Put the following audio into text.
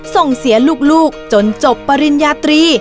ส่งเสียลูกจนจบปริญญาตรี